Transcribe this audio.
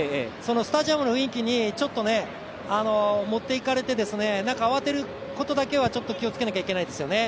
スタジアムの雰囲気にちょっと持っていかれて慌てることだけは、ちょっと気をつけなければいけないですよね。